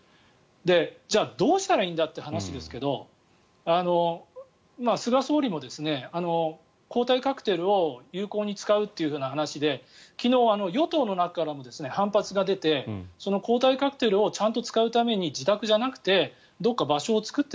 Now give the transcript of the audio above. じゃあ、どうしたらいいんだって話ですけど菅総理も抗体カクテルを有効に使うっていう話で昨日、与党の中からも反発が出て抗体カクテルをちゃんと使うために自宅じゃなくてどこか場所を作って